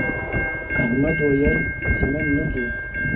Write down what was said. احمد ویل چې نن نه ځو